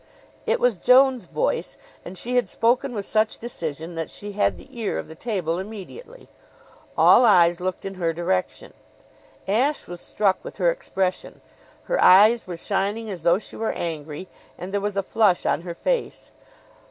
It was Joan's voice, and she had spoken with such decision that she had the ear of the table immediately. All eyes looked in her direction. Ashe was struck with her expression. Her eyes were shining as though she were angry; and there was a flush on her face.